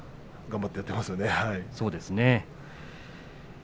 頑張ってやってますね。